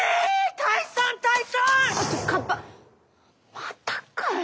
またかよ。